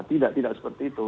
tidak tidak seperti itu